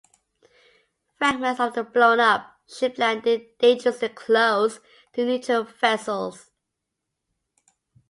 Fragments of the blown-up ship landed dangerously close to neutral vessels.